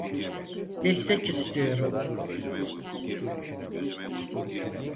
Destek istiyorum.